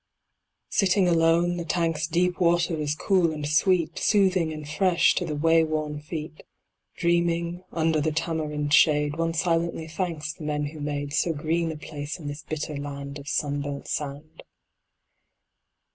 Sitting alone, The tank's deep water is cool and sweet, Soothing and fresh to the wayworn feet, Dreaming, under the Tamarind shade, One silently thanks the men who made So green a place in this bitter land Of sunburnt sand.